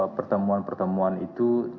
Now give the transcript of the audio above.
tentu pertemuan pertemuan itu